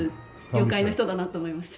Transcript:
業界の人だなと思いました。